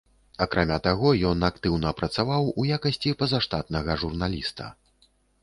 Акрамя таго, ён актыўна працаваў у якасці пазаштатнага журналіста.